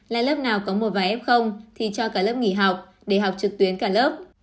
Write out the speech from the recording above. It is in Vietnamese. là lớp nào có một vài f thì cho cả lớp nghỉ học để học trực tuyến cả lớp